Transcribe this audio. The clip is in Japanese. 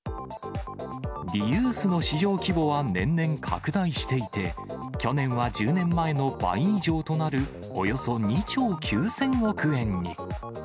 リユースの市場規模は年々拡大していて、去年は１０年前の倍以上となるおよそ２兆９０００億円に。